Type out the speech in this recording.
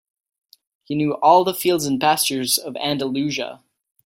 He knew all the fields and pastures of Andalusia.